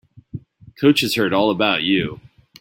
Coach has heard all about you.